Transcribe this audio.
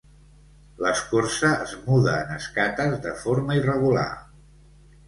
L'escorça es muda en escates de forma irregular.